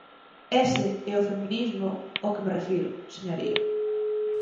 Ese é o feminismo ao que me refiro, señoría.